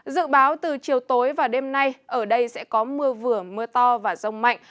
dự báo từ chiều tối và đêm nay ở đây sẽ có mưa vừa mưa to và rông mạnh